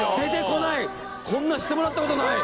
こんなのしてもらったことない。